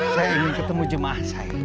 saya ingin ketemu jemaah saya